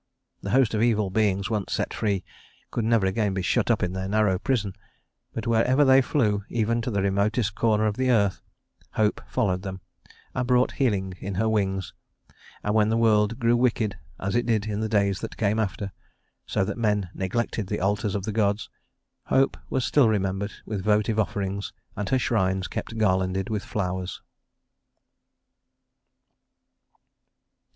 The host of evil beings, once set free, could never again be shut up in their narrow prison; but wherever they flew even to the remotest corner of the earth Hope followed them and brought healing in her wings; and when the world grew wicked, as it did in the days that came after, so that men neglected the altars of the gods, Hope was still remembered with votive offerings and her shrines kept garlanded with flowers.